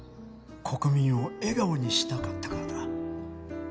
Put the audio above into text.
国民を笑顔にしたかったからだ。